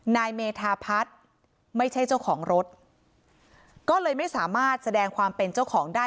นายเมธาพัฒน์ไม่ใช่เจ้าของรถก็เลยไม่สามารถแสดงความเป็นเจ้าของได้